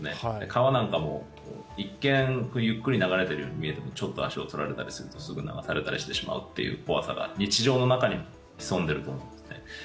川なんかも、一見ゆっくり流れてるように見えてもちょっと足をとられたりすると流されたりするという怖さが日常の中に潜んでいると思います。